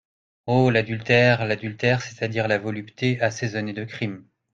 Oh ! l’adultère ! l’adultère, c’est-à-dire la volupté assaisonnée de crime !